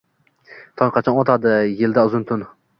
Tong qachon otadi. Yildan uzun tun.